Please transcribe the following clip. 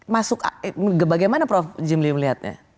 masuk bagaimana prof jimli melihatnya